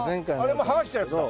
あれも剥がしたやつだ。